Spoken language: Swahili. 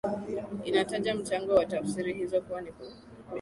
inataja mchango wa tafsiri hizo kuwa ni kukuza